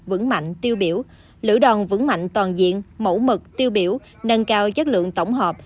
vững mạnh tiêu biểu lữ đoàn vững mạnh toàn diện mẫu mực tiêu biểu nâng cao chất lượng tổng hợp